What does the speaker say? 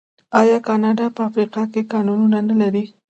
آیا کاناډا په افریقا کې کانونه نلري؟